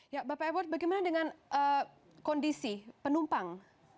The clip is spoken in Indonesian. ya bapak eword bagaimana dengan kondisi penumpang